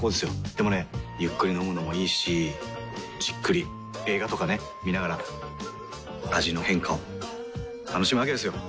でもねゆっくり飲むのもいいしじっくり映画とかね観ながら味の変化を楽しむわけですよ。